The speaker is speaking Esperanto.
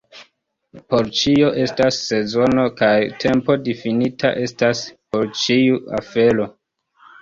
Por ĉio estas sezono, kaj tempo difinita estas por ĉiu afero.